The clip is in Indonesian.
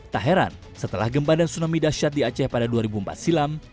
tak heran setelah gempa dan tsunami dasyat di aceh pada dua ribu empat silam